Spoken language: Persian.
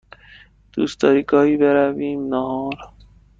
دوست داری گاهی برویم نهار؟